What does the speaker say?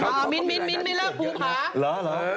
อะมิ้นให้เลิกภูภา